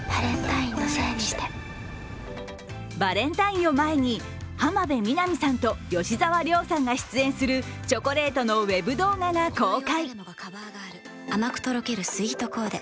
バレンタインを前に浜辺美波さんと吉沢亮さんが出演するチョコレートのウェブ動画が公開。